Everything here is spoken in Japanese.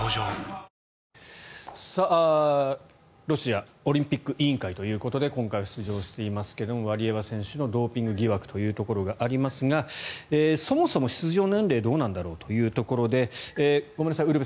ロシアオリンピック委員会ということで今回出場していますがワリエワ選手のドーピング疑惑というところがありますがそもそも出場年齢どうなんだろうというところでごめんなさい